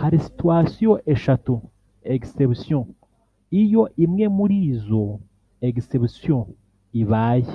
hari situations eshatu ( exceptions) iyo imwe muri izo exceptions ibaye